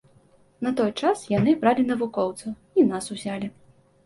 На той час яны бралі навукоўцаў і нас узялі.